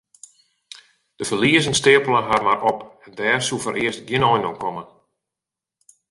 De ferliezen steapelen har mar op en dêr soe foarearst gjin ein oan komme.